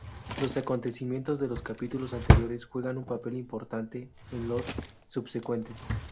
Los acontecimientos de los capítulos anteriores juegan un papel importante en los subsecuentes.